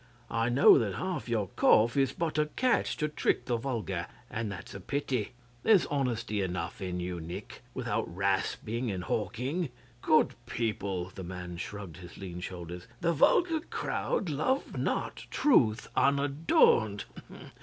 I know that half your cough is but a catch to trick the vulgar; and that's a pity. There's honesty enough in you, Nick, without rasping and hawking.' 'Good people' the man shrugged his lean shoulders 'the vulgar crowd love not truth unadorned.